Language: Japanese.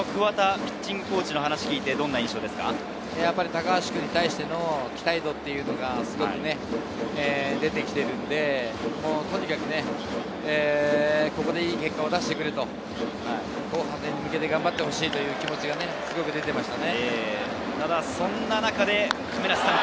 高橋君に対しての期待度というのが、出てきているので、とにかくここでいい結果を出してくれと、後半戦に向けて頑張ってほしいという気持ちがすごく出ているコメントでしたね。